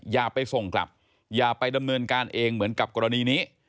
อย่าไปส่งกลับอย่าไปดำเนินการเองเหมือนกับกรณีนี้